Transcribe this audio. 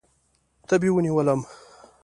تبې ونیولم.